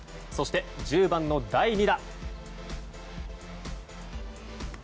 そして１０番の第２打。